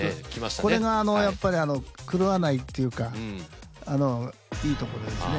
これがあのやっぱり狂わないっていうかいいところですね。